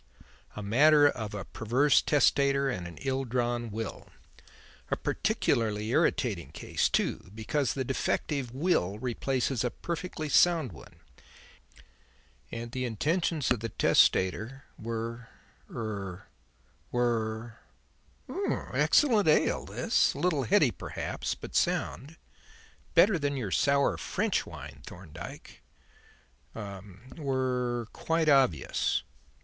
"A matter of a perverse testator and an ill drawn will. A peculiarly irritating case, too, because the defective will replaces a perfectly sound one, and the intentions of the testator were er were excellent ale, this. A little heady, perhaps, but sound. Better than your sour French wine, Thorndyke were er were quite obvious.